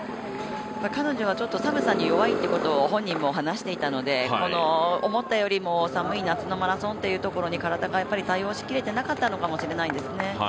彼女は寒さに弱いということを、本人も話していましたのでこの思ったよりも寒い夏のマラソンっていうのに体が対応しきれてなかったのかもしれません。